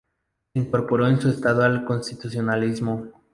Se incorporó en su estado al constitucionalismo.